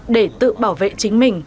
để tự bảo vệ chính mình